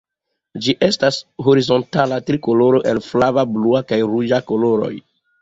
Ĝi estas horizontala trikoloro el flava, blua kaj ruĝa koloroj.